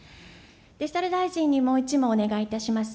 デジタル大臣にもう１問お願いいたします。